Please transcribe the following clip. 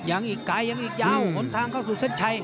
ยังอีกไกลยังอีกยาวหนทางเข้าสู่เส้นชัย